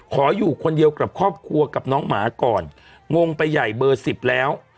ขออยู่คนเดียวกับครอบครัวกับน้องหมาก่อนงงไปใหญ่เบอร์๑๐แล้ว